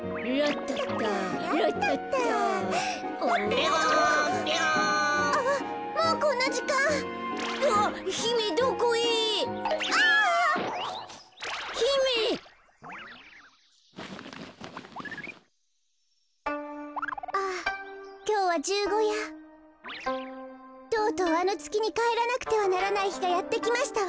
とうとうあのつきにかえらなくてはならないひがやってきましたわ。